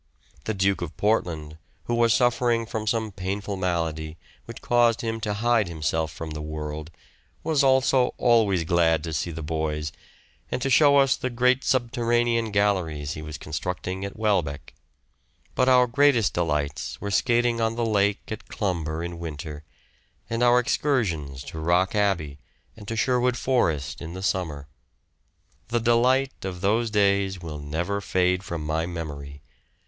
The Duke of Portland, who was suffering from some painful malady, which caused him to hide himself from the world, was also always glad to see the boys, and to show us the great subterranean galleries he was constructing at Welbeck; but our greatest delights were skating on the lake at Clumber in winter, and our excursions to Roch Abbey and to Sherwood Forest in the summer. The delight of those days will never fade from my memory.